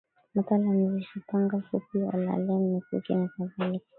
Mathalani visu panga fupi ol alem mikuki nakadhalika